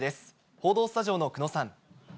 報道スタジオの久野さん。